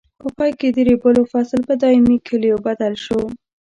په پای کې د ریبلو فصل په دایمي کلیو بدل شو.